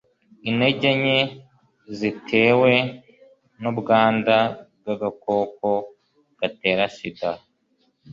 intege nke zitewe n'ubwanda bw'agakoko gatera sida